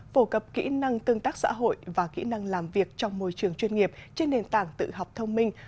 phổ cập kỹ năng tương tác xã hội và kỹ năng làm việc trong môi trường chuyên nghiệp trên nền tảng tự học thông minh